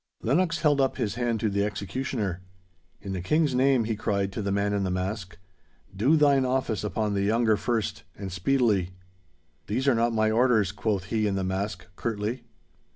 Lennox held up his hand to the executioner. 'In the King's name,' he cried to the man in the mask, 'do thine office upon the younger first, and speedily.' 'These are not my orders!' quoth he in the mask, curtly.